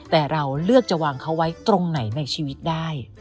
แต่เราเลือกจะวางเขาไว้ตรงไหนในชีวิตได้